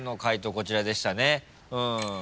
こちらでしたね。